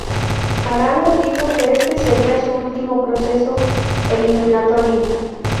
Arango dijo que este seria su último proceso eliminatorio.